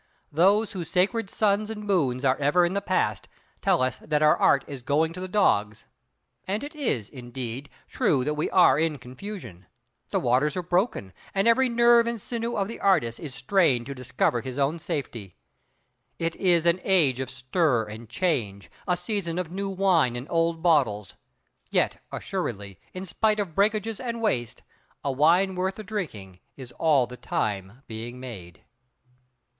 Those whose sacred suns and moons are ever in the past, tell us that our Art is going to the dogs; and it is, indeed, true that we are in confusion! The waters are broken, and every nerve and sinew of the artist is strained to discover his own safety. It is an age of stir and change, a season of new wine and old bottles. Yet, assuredly, in spite of breakages and waste, a wine worth the drinking is all the time being made.